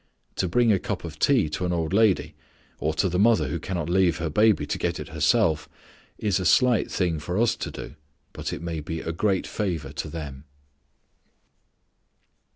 To bring a cup of tea to an old lady, or to the mother who cannot leave her baby to get it herself, is a slight thing for us to do, but it may be a great favor to them.